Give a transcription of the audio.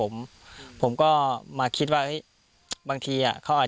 และโดนเฝ้าที่จะถูกปลอดภัย